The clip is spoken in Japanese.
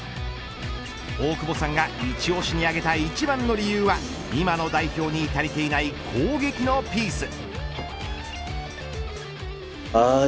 大久保さんが一推しに挙げた一番の理由は今の代表に足りていない攻撃のピース。